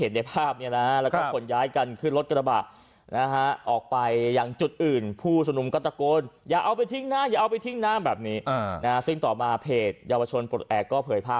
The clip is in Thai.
หนูคิดว่าเราก็ประสบความสำเร็จแล้วค่ะ